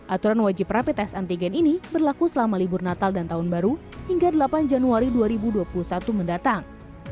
aturan wajib rapi tes antigen ini berlaku selama libur natal dan tahun baru hingga delapan januari dua ribu dua puluh satu mendatang